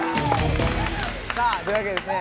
さあというわけでですね